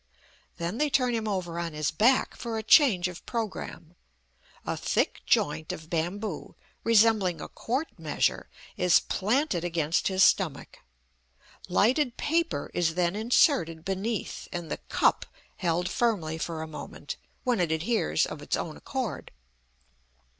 Then they turn him over on his back for a change of programme. A thick joint of bamboo, resembling a quart measure, is planted against his stomach; lighted paper is then inserted beneath, and the "cup" held firmly for a moment, when it adheres of its own accord.